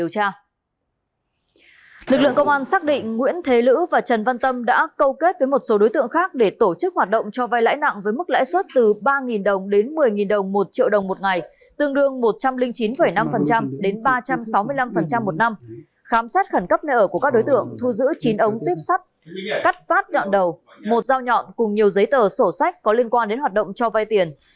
có khối lượng gần hai trăm linh g tiến hành khám xét khẩn cấp chỗ ở của lực thu giữ gần sáu trăm linh g ma túy các loại